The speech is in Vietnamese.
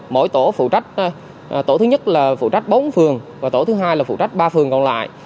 mỗi tổ phụ trách tổ thứ nhất là phụ trách bốn phường và tổ thứ hai là phụ trách ba phường còn lại